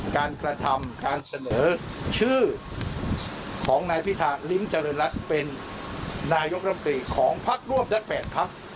การกระทำการเสนอชื่อของนายพิธาริมเจริญรัฐเป็นนายกรรมตรีของพักร่วมได้๘พัก